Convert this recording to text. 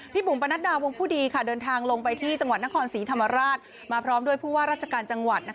บุ๋มปนัดดาวงผู้ดีเดินทางลงไปที่จังหวัดนครศรีธรรมราชมาพร้อมด้วยผู้ว่าราชการจังหวัด